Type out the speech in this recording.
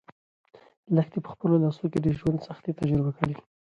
لښتې په خپلو لاسو کې د ژوند سختۍ تجربه کړې.